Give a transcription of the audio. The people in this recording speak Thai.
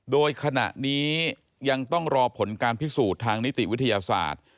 โดยขณะนี้ยังต้องรอผลการพิสูจน์ทางนิติวิทยาศาสตร์